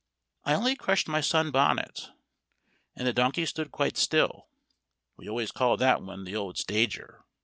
I only crushed my sun bonnet, and the donkey stood quite still. (We always call that one "the old stager.")